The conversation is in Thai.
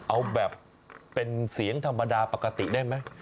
เอาแบบเป็นเสียงธรรมดาปกติได้ไหม